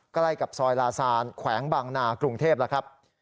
ใกล้กับซอยลาซานแขวงบางนากรุงเทพแล้วครับ